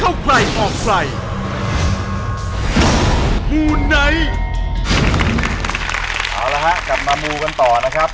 เอาละฮะกลับมามูกันต่อนะครับ